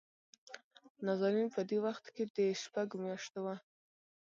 نازنين په دې وخت کې دشپږو مياشتو وه.